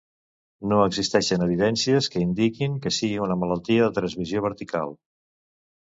No existeixen evidències que indiquin que sigui una malaltia de transmissió vertical.